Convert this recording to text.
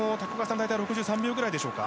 大体６３秒ぐらいでしょうか。